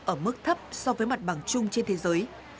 ở mức thấp so với mặt bằng chung trên thế giới